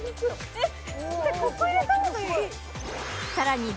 えっ